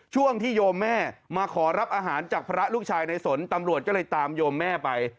ช่วงที่โยมแม่มาขอรับอาหารจากพระลูกชายในสนตำรวจก็เลยตามโยมแม่ไป